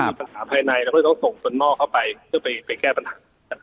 ปัญหาภายในเราก็จะต้องส่งคนหม้อเข้าไปเพื่อไปแก้ปัญหา